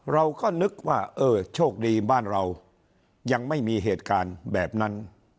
เราก็นึกว่าเออโชคดีบ้านเรายังไม่มีเหตุการณ์แบบนั้น